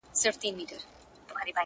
• سوځلی مي باروتو د تنکۍ حوري اوربل دی -